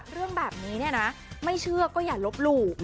เรื่องแบบนี้เนี่ยนะไม่เชื่อก็อย่าลบหลู่